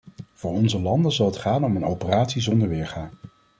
Voor onze landen zal het gaan om een operatie zonder weerga.